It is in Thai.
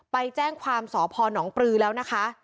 ไปแจ้งความสพนปลือแล้วนะคะ